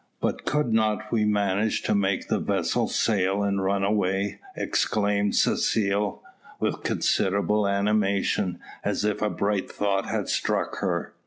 "But could not we manage to make the vessel sail and run away?" exclaimed Cecile, with considerable animation, as if a bright thought had struck her.